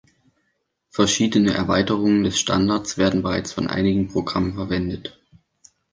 Verschiedene Erweiterungen des Standards werden bereits von einigen Programmen verwendet.